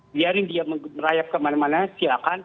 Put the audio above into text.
biarin dia merayap kemana mana silahkan